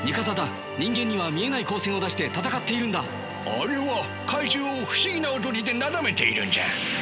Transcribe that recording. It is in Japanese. あれは怪獣を不思議な踊りでなだめているんじゃ。